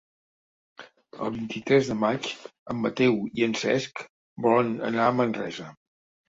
El vint-i-tres de maig en Mateu i en Cesc volen anar a Manresa.